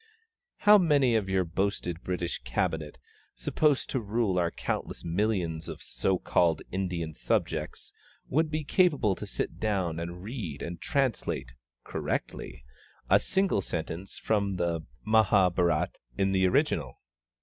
How many of your boasted British Cabinet, supposed to rule our countless millions of so called Indian subjects, would be capable to sit down and read and translate correctly a single sentence from the Mahábhárat in the original?